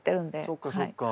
そっかそっか。